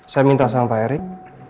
saya minta sama pak erick